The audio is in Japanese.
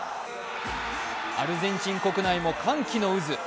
アルゼンチン国内も歓喜の渦。